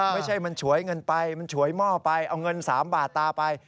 ไม่ใช่มันฉวยเงินไปมันฉวยหม้อไปเอาเงิน๓บาทตาไป